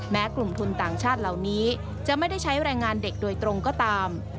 กลุ่มทุนต่างชาติเหล่านี้จะไม่ได้ใช้แรงงานเด็กโดยตรงก็ตาม